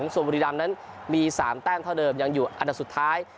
ส่วนบุรีรำนั้นมี๓แต้มเท่าเดิมยังอยู่อันดับสุดท้าย